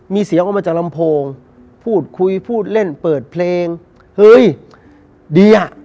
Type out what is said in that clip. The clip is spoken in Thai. มีเสียงออกมาจากลำโพงพูดคุยพูดเล่นเปิดเพลงเฮ้ยดีอ่ะ